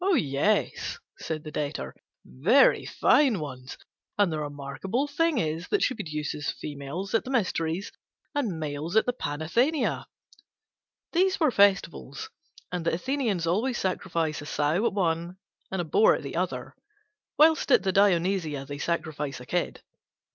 "Yes," said the Debtor, "very fine ones; and the remarkable thing is that she produces females at the Mysteries and males at the Panathenea." (Festivals these were: and the Athenians always sacrifice a sow at one, and a boar at the other; while at the Dionysia they sacrifice a kid.)